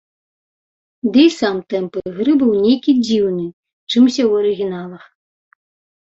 Ды і сам тэмп ігры быў нейкі дзіўны, чымся ў арыгіналах.